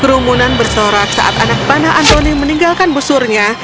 kerumunan bersorak saat anak panah antoni meninggalkan busurnya